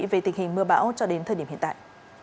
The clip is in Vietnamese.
về tình hình mưa bão cho đến thời điểm hiện tại